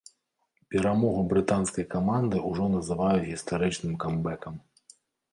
Перамогу брытанскай каманды ўжо называюць гістарычным камбэкам.